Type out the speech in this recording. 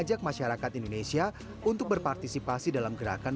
saatnya saat ini kita berpartikulasi dengan baik